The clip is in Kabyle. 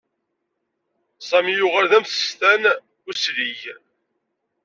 Sami yuɣal d amsestan uslig.